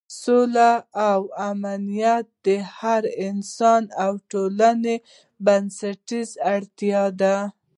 سوله او امنیت د هر انسان او ټولنې بنسټیزه اړتیا ده.